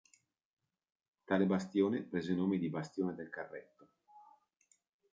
Tale bastione prese nome di "Bastione del Carretto".